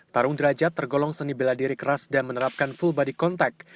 tarung derajat tergolong seni bela diri keras dan menerapkan full body contact